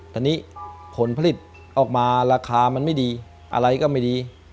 ตอนนี้ผลผลิตออกมาราคามันไม่ดีอะไรก็ไม่ดี